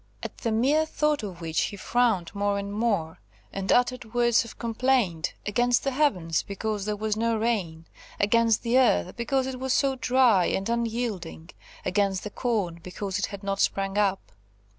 At the mere thought of which he frowned more and more, and uttered words of complaint against the heavens, because there was no rain against the earth, because it was so dry and unyielding; against the corn, because it had not sprung up.